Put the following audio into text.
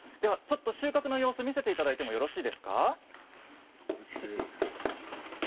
収穫の様子を見せていただいてもよろしいですか。